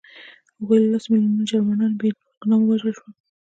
د هغوی له لاسه میلیونونه جرمنان بې ګناه ووژل شول